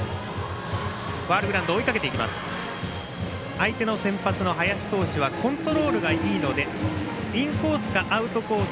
相手の先発の林投手はコントロールがいいのでインコースかアウトコース